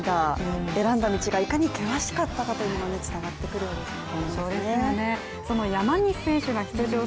選んだ道がいかに険しかったかが伝わってきますね。